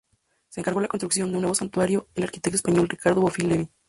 Se encargó la construcción de un nuevo santuario al arquitecto español Ricardo Bofill Levi.